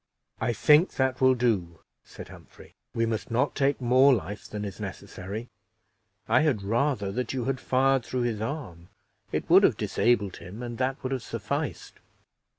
"I think that will do," said Humphrey: "we must not take more life than is necessary. I had rather that you had fired through his arm it would have disabled him, and that would have sufficed."